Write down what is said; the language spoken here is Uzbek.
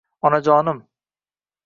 Onajonim